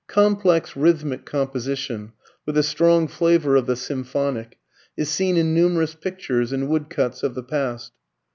] Complex rhythmic composition, with a strong flavour of the symphonic, is seen in numerous pictures and woodcuts of the past.